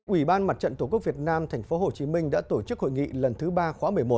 ủy ban mặt trận tổ quốc việt nam tp hcm đã tổ chức hội nghị lần thứ ba khóa một mươi một